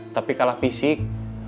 tapi kalah fisik